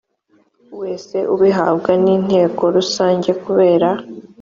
wese ubihabwa n inteko rusange kubera